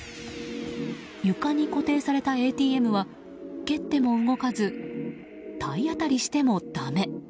床に固定されたＡＴＭは蹴っても動かず体当たりしてもだめ。